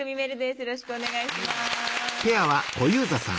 よろしくお願いします。